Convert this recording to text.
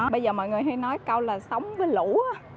bây giờ mọi người hay nói câu là sống với lũ